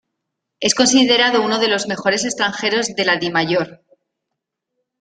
Es considerado un de los mejores extranjeros de la Dimayor.